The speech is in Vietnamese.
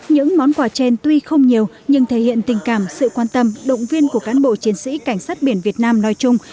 những món quà trên tuy không nhiều nhưng thể hiện tình cảm sự quan tâm động viên của cán bộ chiến sĩ cảnh sát biển việt nam nói chung